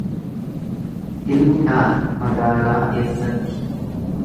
Ilmi nyaata magaalaa keessatti.